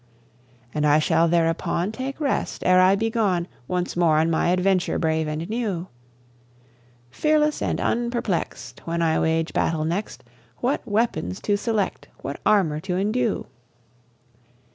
And I shall thereupon Take rest, ere I be gone Once more on my adventure brave and new: Fearless and unperplex'd, When I wage battle next, What weapons to select, what armour to indue.